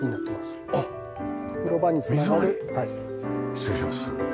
失礼します。